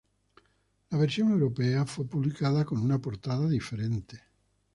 La versión europea fue publicada con una portada diferente.